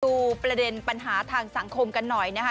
ดูประเด็นปัญหาทางสังคมกันหน่อยนะคะ